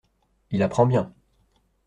Il apprend bien.